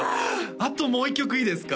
あともう１曲いいですか？